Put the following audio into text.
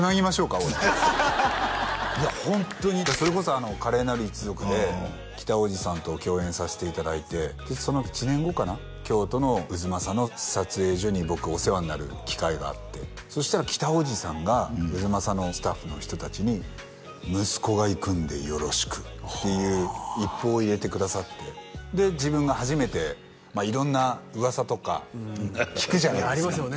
俺いやホントにそれこそ「華麗なる一族」で北大路さんと共演させていただいてその１年後かな京都の太秦の撮影所に僕お世話になる機会があってそしたら北大路さんが太秦のスタッフの人達に「息子が行くんでよろしく」っていう一報を入れてくださってで自分が初めて色んな噂とか聞くじゃないですかありますよね